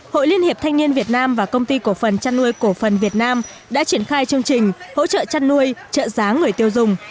hội liên hiệp thanh niên việt nam và công ty cổ phần chăn nuôi cổ phần việt nam đã triển khai chương trình hỗ trợ chăn nuôi trợ giá người tiêu dùng